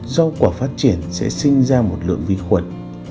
rau quả phát triển sẽ sinh ra một lượng vi khuẩn